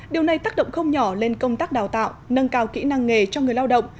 điều này tác động không nhỏ lên công tác đào tạo nâng cao kỹ năng nghề cho người lao động